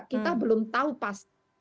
kita belum tahu pasti